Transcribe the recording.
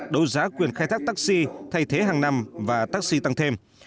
đấu giá quyền khai thác taxi thay thế hàng năm và taxi tăng thêm